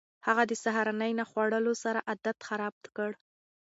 هغه د سهارنۍ نه خوړلو سره عادت خراب کړ.